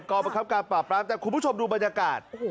ก่อบังคับการปรับรับแต่คุณผู้ชมดูบรรยากาศ